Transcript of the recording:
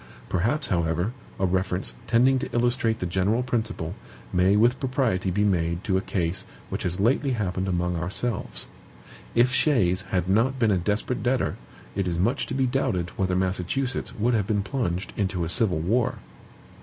Perhaps, however, a reference, tending to illustrate the general principle, may with propriety be made to a case which has lately happened among ourselves. If Shays had not been a DESPERATE DEBTOR, it is much to be doubted whether Massachusetts would have been plunged into a civil war.